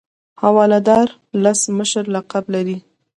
حواله دار لس مشر لقب لري.